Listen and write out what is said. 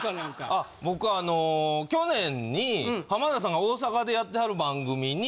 あ僕あの去年に浜田さんが大阪でやってはる番組に。